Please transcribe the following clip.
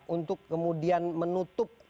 untuk kemudian menutup